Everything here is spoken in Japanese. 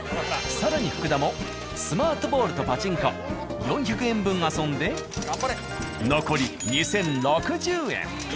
更に福田もスマートボールとパチンコ４００円分遊んで残り２，０６０円。